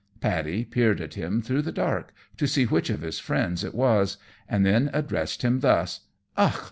Paddy peered at him through the dark, to see which of his friends it was, and then addressed him thus: "Och!